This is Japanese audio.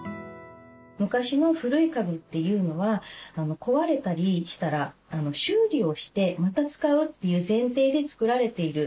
昔の古い家具というのは壊れたりしたら修理をしてまた使うという前提で作られている。